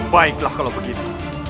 baiklah kalau begitu